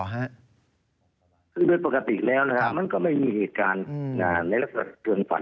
คือโดยปกติแล้วนะครับมันก็ไม่มีเหตุการณ์ในลักษณะเกินฝัน